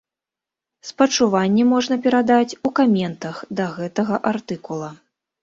Спачуванні можна перадаць у каментах да гэтага артыкула.